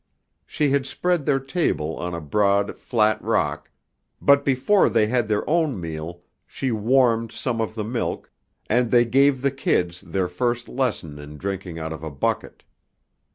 She had spread their table on a broad, flat rock, but before they had their own meal, she warmed some of the milk, and they gave the kids their first lesson in drinking out of a bucket.